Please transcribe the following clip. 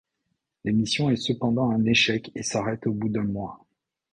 L'émission est cependant un échec et s'arrête au bout d'un mois.